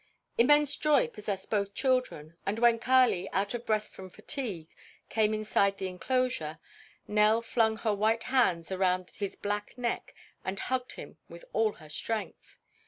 Immense joy possessed both children, and when Kali, out of breath from fatigue, came inside the enclosure, Nell flung her white hands around his black neck and hugged him with all her strength.